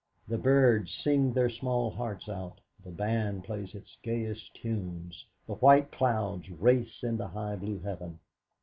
The birds sing their small hearts out, the band plays its gayest tunes, the white clouds race in the high blue heaven.